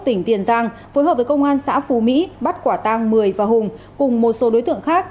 tỉnh tiền giang phối hợp với công an xã phú mỹ bắt quả tang mười và hùng cùng một số đối tượng khác